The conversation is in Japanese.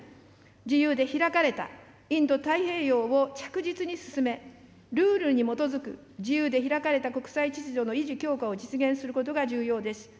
自由で開かれたインド太平洋を着実に進め、ルールに基づく自由で開かれた国際秩序の維持・強化を実現することが重要です。